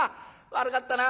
悪かったな。